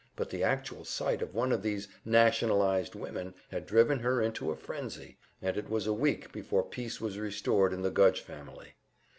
But the actual sight of one of these "nationalized women" had driven her into a frenzy, and it was a week before peace was restored in the Gudge family.